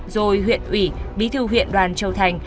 rồi huyện ủy bi thư huyện đoàn châu thành